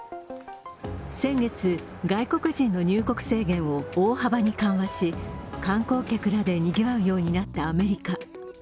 先月、外国人の入国制限を大幅に緩和し、観光客らでにぎわうようになったアメリカ。